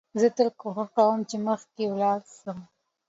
زه تل کوښښ کوم، چي مخکي ولاړ سم.